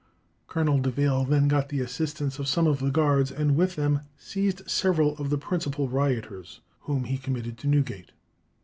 '" Colonel de Veil then got the assistance of some of the guards, and with them seized several of the principal rioters, whom he committed to Newgate.